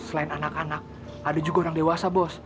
selain anak anak ada juga orang dewasa bos